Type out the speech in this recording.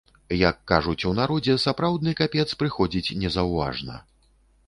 Як кажуць у народзе, сапраўдны капец прыходзіць незаўважна.